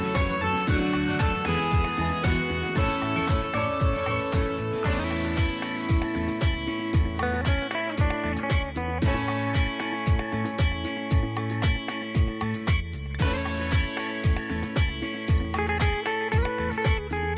โปรดติดตามตอนต่อไป